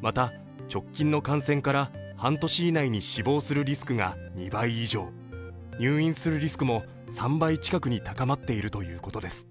また、直近の感染から半年以内に死亡するリスクが２倍以上、入院するリスクも３倍近くに高まっているということです。